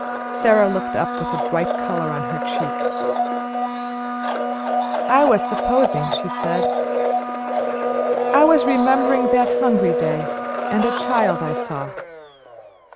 Sara looked up with a bright color on her cheeks. "I was `supposing,'" she said; "I was remembering that hungry day, and a child I saw."